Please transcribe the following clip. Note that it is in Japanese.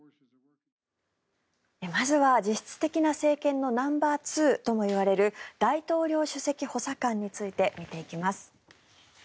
まずは実質的な政権のナンバーツーともいわれる大統領首席補佐官について見ていきます。